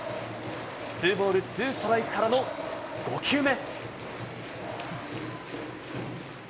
ツーボールツーストライクからの５球目。